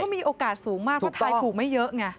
มีโอกาสสูงมากเพราะทายถูกไม่เยอะไง